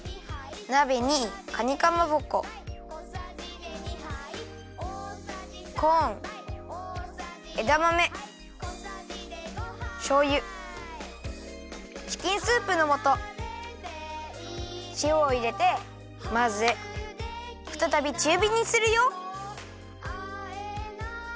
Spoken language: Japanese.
なべにかにかまぼこコーンえだまめしょうゆチキンスープのもとしおをいれてまぜふたたびちゅうびにするよ。